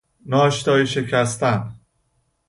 ناشتایی شکستن